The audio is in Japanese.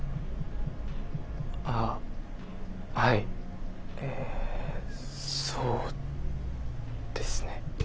あはいえそうですね。